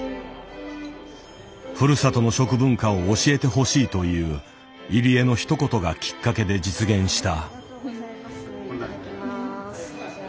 ふるさとの食文化を教えてほしいという入江のひと言がきっかけで実現した。